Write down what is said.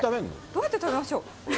どうやって食べましょう？